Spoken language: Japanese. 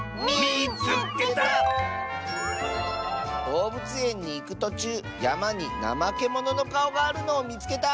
「どうぶつえんにいくとちゅうやまにナマケモノのかおがあるのをみつけた！」。